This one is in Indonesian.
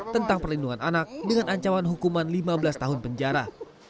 tentang perlindungan anak dengan ancaman hukuman lima belas tahun penjara